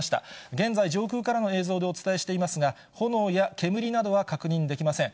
現在、上空からの映像でお伝えしていますが、炎や煙などは確認できません。